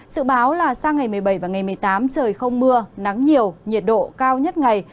sự báo là sang ngày một mươi bảy và ngày một mươi tám trời không mưa nắng nhiều nhiệt độ cao nhất ngày